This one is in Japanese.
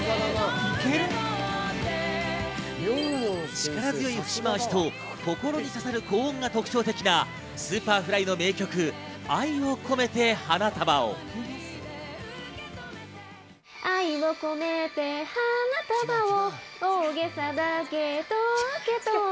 力強い節まわしと心にささる高音が特徴的なＳｕｐｅｒｆｌｙの名曲『愛をこめて花束を』。